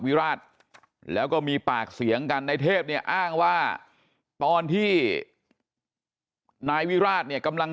วิราชแล้วก็มีปากเสียงกันในเทพเนี่ยอ้างว่าตอนที่นายวิราชเนี่ยกำลัง